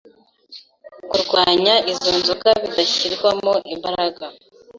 kurwanya izo nzoga bidashyirwamo imbaraga